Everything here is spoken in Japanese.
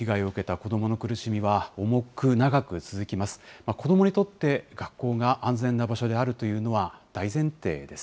子どもにとって学校が安全な場所であるということは大前提です。